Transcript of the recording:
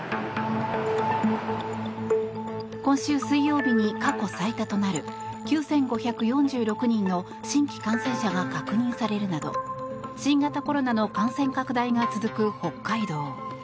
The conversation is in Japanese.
今週水曜日に過去最多となる９５４６人の新規感染者が確認されるなど新型コロナの感染拡大が続く北海道。